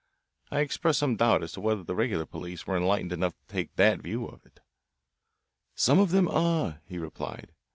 I expressed some doubt as to whether the regular police were enlightened enough to take that view of it. "Some of them are," he replied.